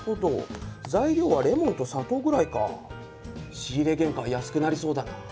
仕入原価が安くなりそうだな。